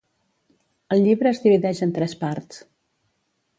El llibre es divideix en tres parts.